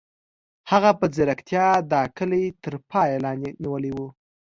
هغې په ځیرتیا دا کلی تر پام لاندې نیولی و